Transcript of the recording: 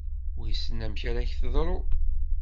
Wissen amek ara ak-teḍru.